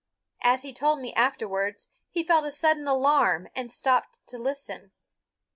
As he told me afterwards, he felt a sudden alarm and stopped to listen.